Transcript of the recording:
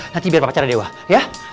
nanti biar pak acara dewa ya